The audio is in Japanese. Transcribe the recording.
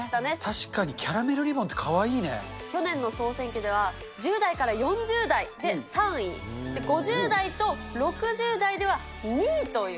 確かにキャラメルリボンって去年の総選挙では、１０代から４０代で３位、５０代と６０代では２位という。